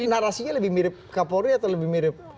ini narasinya lebih mirip kapolri atau lebih mirip